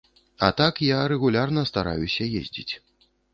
А так, я рэгулярна стараюся ездзіць.